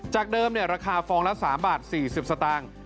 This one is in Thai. จากเดิมราคาฟองละ๓บาท๔๐สตางค์